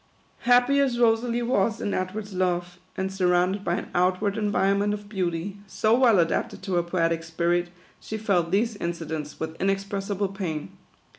Happy as Rosalie was in Edward's love, and sur rounded by an outward environment of beauty, so well adapted to her poetic spirit, she felt these incidents with inexpressible pain.